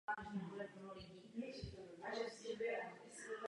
Kapela má za sebou již několik turné po celém světě.